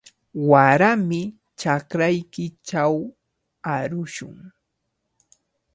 Warami chakraykichaw arushun.